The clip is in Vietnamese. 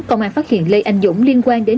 công an phát hiện lê anh dũng liên quan đến